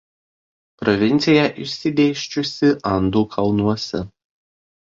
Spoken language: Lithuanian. Provincija išsidėsčiusi Andų kalnuose.